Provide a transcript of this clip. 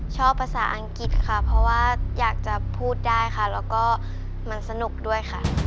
ชอบภาษาอังกฤษค่ะเพราะว่าอยากจะพูดได้ค่ะแล้วก็มันสนุกด้วยค่ะ